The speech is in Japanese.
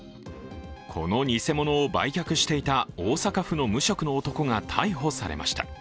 この偽物を売却していた大阪府の無職の男が逮捕されました。